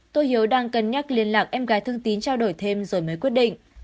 tôi hiếu đang cân nhắc liên lạc em gái thương tín trao đổi thêm rồi mới quyết định